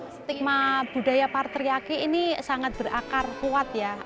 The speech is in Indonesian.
stigma budaya patriaki ini sangat berakar kuat ya